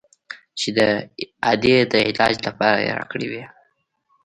چې د ادې د علاج لپاره يې راکړى و.